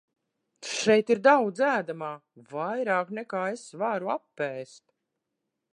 Šeit ir daudz ēdamā, vairāk nekā es varu apēst.